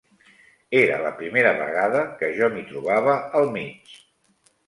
Era la primera vegada que jo m'hi trobava al mig